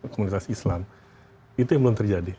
komunitas islam itu yang belum terjadi